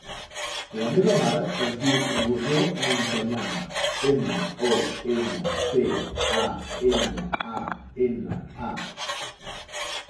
La meva mare es diu Rosó Montañana: ema, o, ena, te, a, enya, a, ena, a.